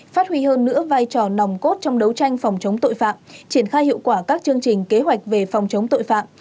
phát huy hơn nữa vai trò nòng cốt trong đấu tranh phòng chống tội phạm triển khai hiệu quả các chương trình kế hoạch về phòng chống tội phạm